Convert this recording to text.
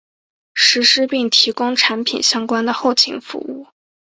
实施并提供产品相关的后勤服务。